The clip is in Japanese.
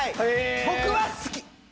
僕は好き！